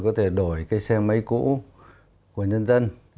có thể đổi cái xe máy cũ của nhân dân